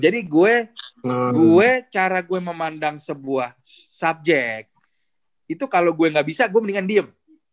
jadi gue cara gue memandang sebuah subjek itu kalau gue gak bisa gue mendingan diem